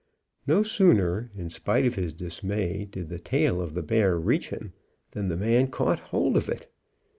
No sooner, in spite of his dismay, did the tail of the bear reach him, than the man caught hold of it.